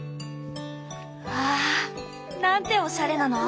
わあなんておしゃれなの！